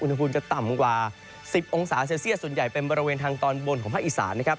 อุณหภูมิจะต่ำกว่า๑๐องศาเซลเซียตส่วนใหญ่เป็นบริเวณทางตอนบนของภาคอีสานนะครับ